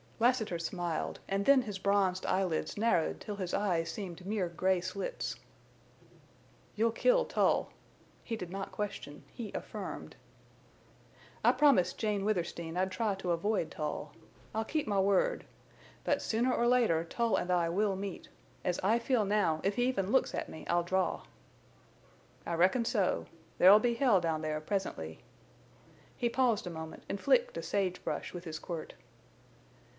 Lassiter smiled, and then his bronzed eyelids narrowed till his eyes seemed mere gray slits. "You'll kill Tull!" He did not question; he affirmed. "I promised Jane Withersteen I'd try to avoid Tull. I'll keep my word. But sooner or later Tull and I will meet. As I feel now, if he even looks at me I'll draw!" "I reckon so. There'll be hell down there, presently." He paused a moment and flicked a sage brush with his quirt.